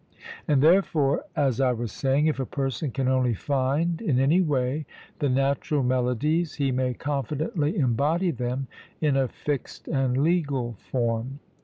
And therefore, as I was saying, if a person can only find in any way the natural melodies, he may confidently embody them in a fixed and legal form.